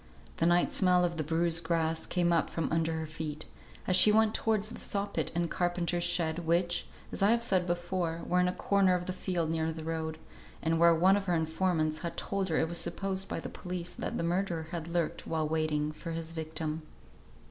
The night smell of bruised grass came up from under her feet, as she went towards the saw pit and carpenter's shed, which, as I have said before, were in a corner of the field near the road, and where one of her informants had told her it was supposed by the police that the murderer had lurked while waiting for his victim.